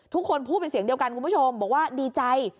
ทุกคนพูดเป็นเสียงเดียวกันคุณผู้ชมบอกว่าดีใจ